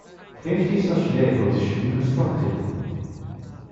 Fifty such vehicles should be constructed.